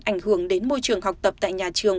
ảnh hưởng đến môi trường học tập tại nhà trường